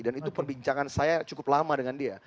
dan itu perbincangan saya cukup lama dengan dia